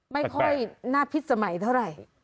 ไม่ค่อยน่าพิษสมัยเท่าไหร่